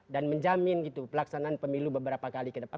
dan menjamin gitu pelaksanaan pemilu beberapa kali ke depan